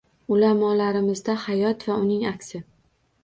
Ulamolarimizda hayot va uning aksi.